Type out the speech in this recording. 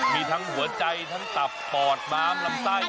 มีทั้งหัวใจทั้งตับปอดม้ามลำไส้